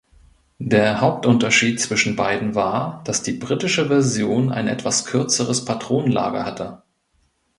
Der Hauptunterschied zwischen beiden war, dass die britische Version ein etwas kürzeres Patronenlager hatte.